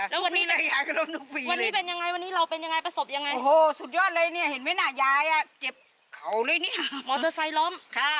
เห็นไหมนะยายเจ็บเข่าเลยมอเตอร์ไซลอม